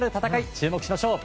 注目しましょう！